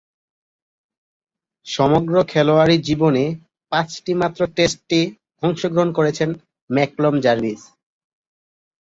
সমগ্র খেলোয়াড়ী জীবনে পাঁচটিমাত্র টেস্টে অংশগ্রহণ করেছেন ম্যালকম জার্ভিস।